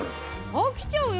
飽きちゃうよ